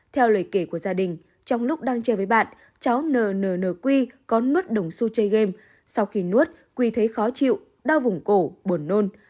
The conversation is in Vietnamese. theo lời kể của gia đình trong lúc đang che với bạn cháu nq có nuốt đồng su chơi game sau khi nuốt quy thấy khó chịu đau vùng cổ buồn nôn